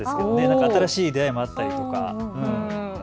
新しい出会いもあったり。